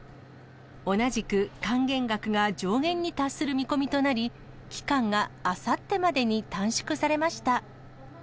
同じく、還元額が上限に達する見込みとなり、期間があさってまでに短縮されました。